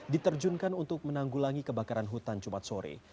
diterjunkan untuk menanggulangi kebakaran hutan jumat sore